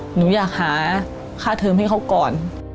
หนูอยากหาค่าเทิมให้เขาก่อน